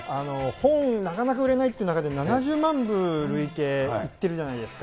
本、なかなか売れないっていう中で７０万部、累計いってるじゃないですか。